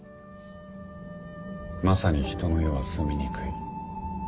まさに「人の世は住みにくい」。